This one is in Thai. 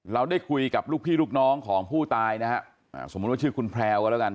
เราได้คุยกับลูกพี่ลูกน้องของผู้ตายนะฮะสมมุติว่าชื่อคุณแพลวก็แล้วกัน